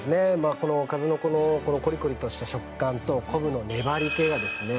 この数の子のコリコリとした食感と昆布の粘り気がですね